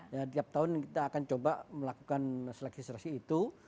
setiap tahun kita akan coba melakukan seleksi seleksi itu